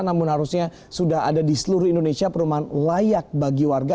namun harusnya sudah ada di seluruh indonesia perumahan layak bagi warga